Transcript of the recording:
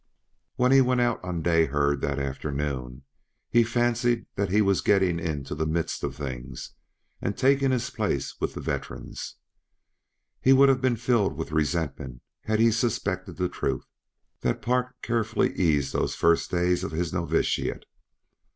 When he went out on day herd that afternoon he fancied that he was getting into the midst of things and taking his place with the veterans. He would have been filled with resentment had he suspected the truth: that Park carefully eased those first days of his novitiate.